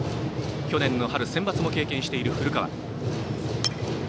去年の春センバツも経験している古川。